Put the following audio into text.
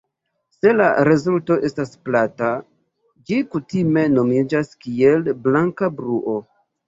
Se la rezulto estas plata, ĝi kutime nomiĝas kiel "blanka bruo".